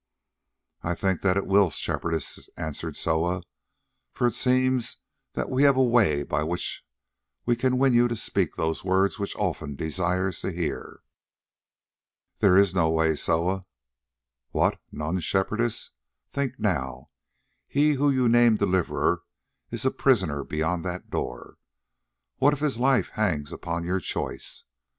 "I think that it will, Shepherdess," answered Soa, "for it seems that we have a way by which we can win you to speak those words which Olfan desires to hear." "There is no way, Soa." "What, none, Shepherdess? Think now: he whom you name Deliverer is a prisoner beyond that door. What if his life hangs upon your choice?